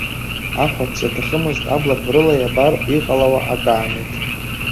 Ахәац иаҭахымызт аблақәа рыла иабар иҟалауа акаамеҭ.